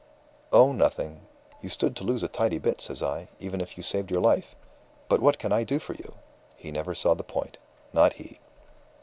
'Oh, nothing. You stood to lose a tidy bit,' says I, 'even if you saved your life. ... But what can I do for you?' He never even saw the point. Not he.